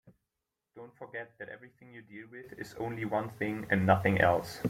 Don't forget that everything you deal with is only one thing and nothing else.